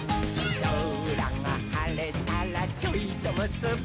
「そらがはれたらちょいとむすび」